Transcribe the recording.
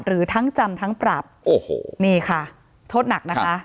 หรือทั้งจำทั้งปรับโอ้โหนี่ค่ะโทษหนักนะคะ